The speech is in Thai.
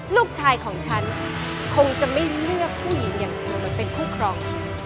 ลูกชายของฉันคงจะไม่เลือกผู้หญิงอย่างเดียวหรือเป็นคู่ครอง